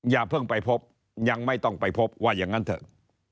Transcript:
อย่าเพิ่งไปพบยังไม่ต้องไปพบว่าอย่างนั้นเถอะ